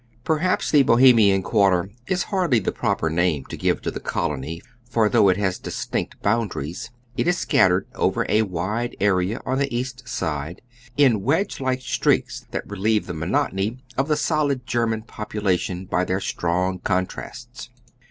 Perhaps the Bohemian quarter is hardly the proper name to give to the colony, for though it has distinct boundaries it is scattered over a wide area on the East Side, in wedge like streaks that relieve the monotony of the solid German population by their strong contrasts.